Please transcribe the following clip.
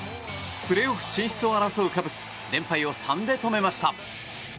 プレーオフ進出を争うカブス連敗を３で止めました。